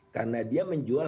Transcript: karena dia menjual